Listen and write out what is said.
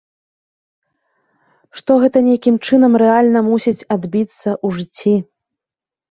Што гэта нейкім чынам рэальна мусіць адбіцца ў жыцці.